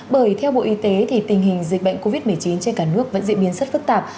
bởi theo bộ y tế thì tình hình dịch bệnh covid một mươi chín trên cả nước vẫn diễn biến rất phức tạp